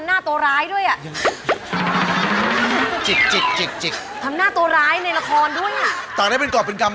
เอ้านั่นมันหมวกลูกเสือที่ไม่อยากได้นี่นะ